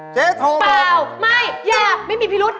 เจ๊ทองเปล่าไม่อยากไม่มีพิรุษ